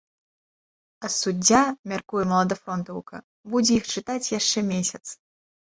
А суддзя, мяркуе маладафронтаўка, будзе іх чытаць яшчэ месяц.